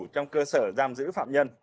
trong cơ sở giam giữ phạm nhân